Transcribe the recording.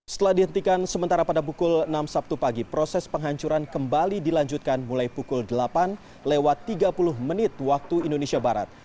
setelah dihentikan sementara pada pukul enam sabtu pagi proses penghancuran kembali dilanjutkan mulai pukul delapan lewat tiga puluh menit waktu indonesia barat